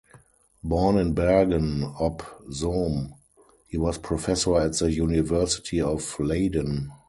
Born in Bergen op Zoom, he was professor at the University of Leiden.